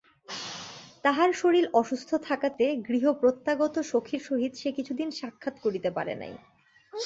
তাহার শরীর অসুস্থ থাকাতে গৃহপ্রত্যাগত সখীর সহিত সে কিছুদিন সাক্ষাৎ করিতে পারে নাই।